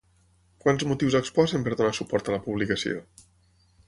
Quants motius exposen per donar suport a la publicació?